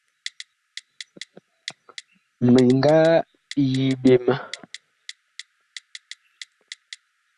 Mi nga yi ɓe ma.